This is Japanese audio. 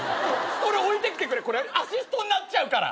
それ置いてきてくれアシストになっちゃうから。